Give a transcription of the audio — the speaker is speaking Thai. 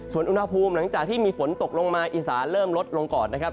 ส่วนอุณหภูมิหลังจากที่มีฝนตกลงมาอีสานเริ่มลดลงก่อนนะครับ